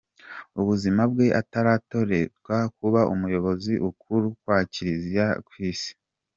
Ubuzima bwe ataratoretwa kuba Umuyobozi Uukuru wa Kiliziya ku Isi .